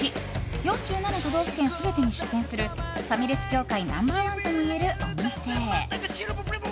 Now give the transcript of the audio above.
４７都道府県全てに出店するファミレス業界ナンバー１ともいえるお店。